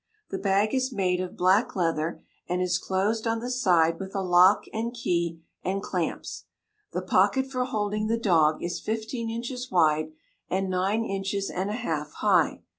The bag is made of black leather, and is closed on the side with a lock and key and clamps. The pocket for holding the dog is fifteen inches wide and nine inches and a half high.